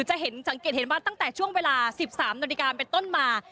จะเห็นสังเกตเห็นว่าตั้งแต่ช่วงเวลา๑๓นาฬิกาเป็นต้นมา